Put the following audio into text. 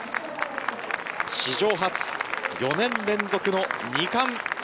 史上初、４年連続の二冠。